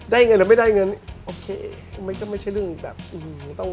ได้เงินหรือไม่ได้เงินโอเคไม่ใช่เรื่องแบบอืมต้อง